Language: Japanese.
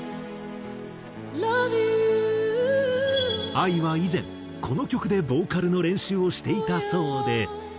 ＡＩは以前この曲でボーカルの練習をしていたそうで。